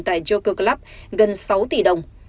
tại joker club gần sáu tỷ đồng